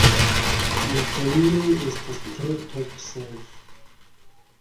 La folioj estas tre toksaj.